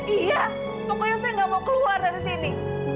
iya pokoknya saya nggak mau keluar dari sini